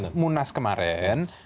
jadi waktu munas kemarin